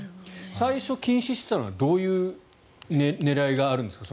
最初、禁止していたのはどういう狙いがあるんですか。